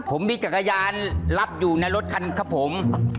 ผมมีจักรยานรับอยู่ในรถคันครับผม